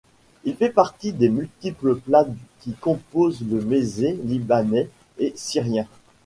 Il fait partie des multiples plats qui composent le mezzé libanais et syrien.